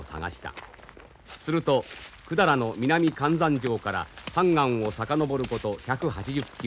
すると百済の南漢山城から漢江を遡ること１８０キロ。